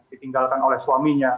ditinggalkan oleh suaminya